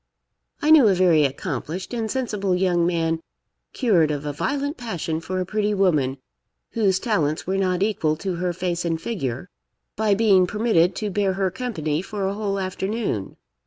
I knew a very accomplished and sensible young man cured of a violent passion for a pretty woman, whose talents were not equal to her face and figure, by being permitted to bear her company for a whole afternoon.